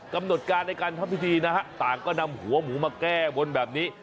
กำหนดการในการทำพิธีนะฮะต่างก็นำหัวหมูมาแก้บนแบบนี้